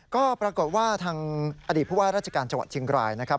ก็ปรากฏว่าทางอดีตผู้ว่าราชการจังหวัดเชียงรายนะครับ